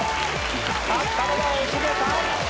勝ったのはお公家さん！